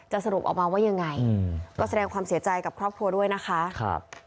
สรุปออกมาว่ายังไงก็แสดงความเสียใจกับครอบครัวด้วยนะคะครับ